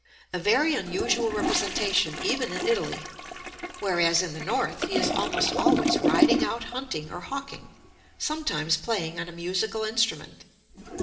_ A very unusual representation, even in Italy; where, as in the North, he is almost always riding out hunting or hawking, sometimes playing on a musical instrument.